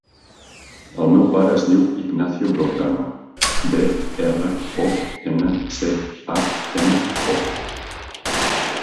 El meu pare es diu Ignacio Broncano: be, erra, o, ena, ce, a, ena, o.